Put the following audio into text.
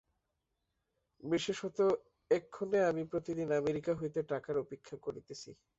বিশেষত এক্ষণে আমি প্রতিদিন আমেরিকা হইতে টাকার অপেক্ষা করিতেছি।